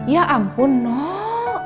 ya ampun noh